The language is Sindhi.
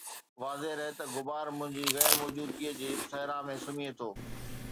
واضح رهي ته غبار منهنجي غير موجودگيءَ جي صحرا ۾ سمهي ٿو